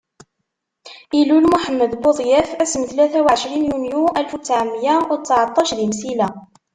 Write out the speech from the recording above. Ilul Muḥemmed budyaf ass n tlata u ɛecrin yunyu alef u ttɛemya u tteɛṭac di Msila.